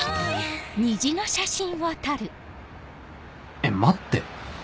えっ待って！